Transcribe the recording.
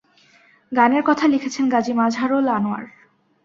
গানের কথা লিখেছেন গাজী মাজহারুল আনোয়ার।